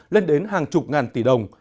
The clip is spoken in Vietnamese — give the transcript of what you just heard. lên đến hàng chục ngàn tỷ đồng